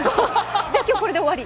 じゃあ、今日、これで終わり？